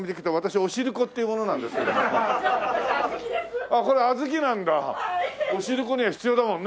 おしるこには必要だもんね。